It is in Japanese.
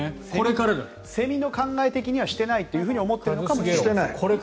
セミの考え的にはしていないと思っているのかもしれないと。